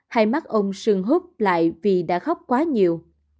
hai mắt ông sừng hút lại vì đã khóc quá nhiều